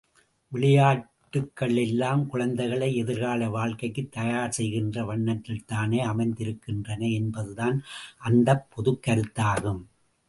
விளையாட்டுக்கள் எல்லாம் குழந்தைகளை எதிர்கால வாழ்க்கைக்குத் தயார் செய்கின்ற வண்ணத்திலேதான் அமைந்திருக்கின்றன என்பதுதான் அந்தப் பொதுக் கருத்தாகும்.